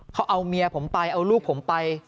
เขาเอาเมียผมไปเอาลูกผมไป